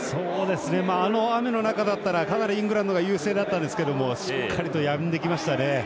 あの雨の中だったらかなりイングランドが優勢でしたがしっかりとやんできましたね。